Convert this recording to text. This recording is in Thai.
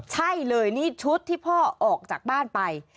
ใช่เลยนี่ชุดที่พ่อออกจากบ้านไป